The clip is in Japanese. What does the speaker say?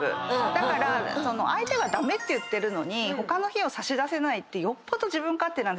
だから相手が駄目って言ってるのに他の日を差し出せないってよっぽど自分勝手なんで。